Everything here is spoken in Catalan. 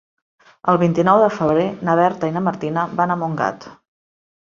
El vint-i-nou de febrer na Berta i na Martina van a Montgat.